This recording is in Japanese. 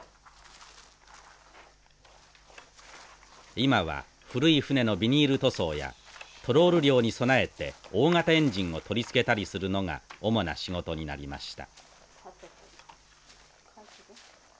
今は古い船のビニール塗装やトロール漁に備えて大型エンジンを取り付けたりするのが主な仕事になりました。